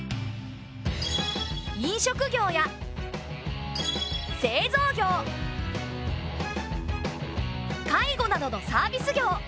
飲食業や製造業介護などのサービス業。